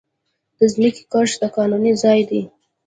د ځمکې قشر د کانونو ځای دی.